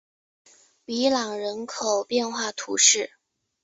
比朗人口变化图示